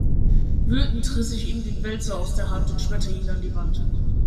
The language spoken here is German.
Wütend riss ich ihm den Wälzer aus der Hand und schmetterte ihn an die Wand.